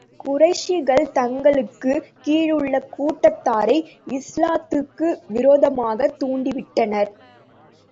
குறைஷிகள் தங்களுக்குக் கீழுள்ள கூட்டத்தாரை இஸ்லாத்துக்கு விரோதமாகத் தூண்டி விட்டனர்.